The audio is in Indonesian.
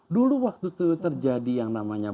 dulu waktu itu terjadi yang namanya